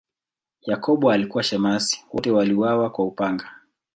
Yakobo alikuwa shemasi, wote waliuawa kwa upanga.